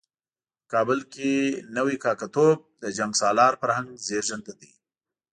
په کابل کې نوی کاکه توب د جنګ سالار فرهنګ زېږنده دی.